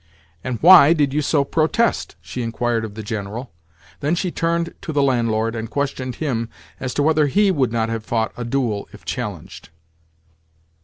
"And why did you so protest?" she inquired of the General. Then she turned to the landlord, and questioned him as to whether he would not have fought a duel, if challenged.